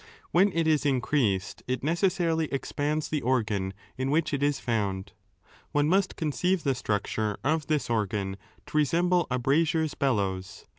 When it is increased, it necessarily expands the organ in which it 2 is found. One must conceive the structure of this organ to resemble a brazier's bellows.